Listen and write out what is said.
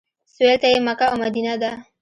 سویل ته یې مکه او مدینه ده.